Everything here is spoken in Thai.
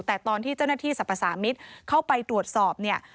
แต่ตอนที่เจ้าหน้าที่สรรพสามิตรเข้าไปตรวจสอบเนี่ย